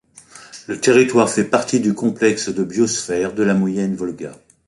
Le territoire fait partie du complexe de Biosphère de la Moyenne Volga.